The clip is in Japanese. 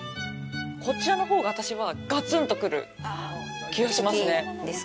こちらのほうが私はがつんと来る気がしますね。